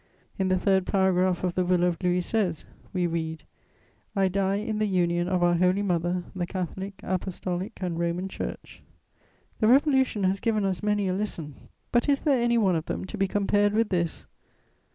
In the third paragraph of the will of Louis XVI., we read: "I DIE IN THE UNION OF OUR HOLY MOTHER THE CATHOLIC, APOSTOLIC AND ROMAN CHURCH." The Revolution has given us many a lesson; but is there any one of them to be compared with this?